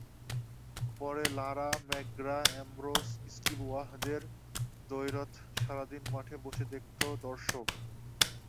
পরে লারা-ম্যাকগ্রা, অ্যামব্রোস-স্টিভ ওয়াহদের দ্বৈরথ সারা দিন মাঠে বসে দেখত দর্শক।